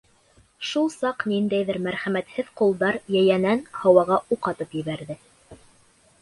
Шул саҡ ниндәйҙер мәрхәмәтһеҙ ҡулдар йәйәнән Һауаға уҡ атып ебәрҙе.